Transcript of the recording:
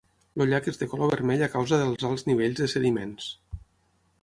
El llac és de color vermell a causa dels alts nivells de sediments.